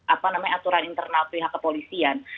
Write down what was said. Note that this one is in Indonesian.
apa namanya aturan internal pihak kepolisian